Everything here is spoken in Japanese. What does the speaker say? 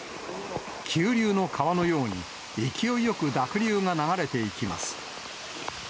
急流の川のように、勢いよく濁流が流れていきます。